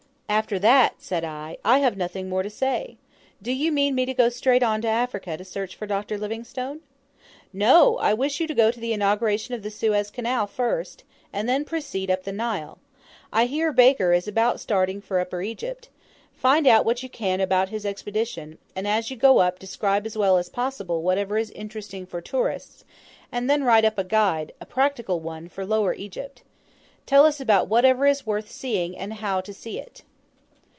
"After that," said I, "I have nothing more to say. Do you mean me to go straight on to Africa to search for Dr. Livingstone?" "No! I wish you to go to the inauguration of the Suez Canal first, and then proceed up the Nile. I hear Baker is about starting for Upper Egypt. Find out what you can about his expedition, and as you go up describe as well as possible whatever is interesting for tourists; and then write up a guide a practical one for Lower Egypt; tell us about whatever is worth seeing and how to see it.